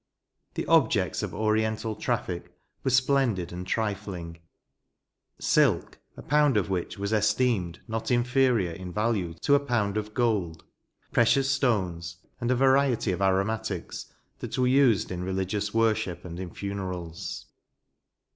The objects of oriental traffic were splendid and trifling : silk, a pound of which was esteemed not inferior in value to a pound of gold ; precious stones, and a variety of aromatics that were used in religious worship and in funerals.